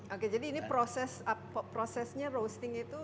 oke jadi ini prosesnya roasting itu